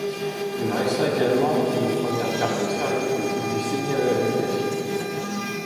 Il dressa également les premières cartes sérieuses des îles destinées à la navigation.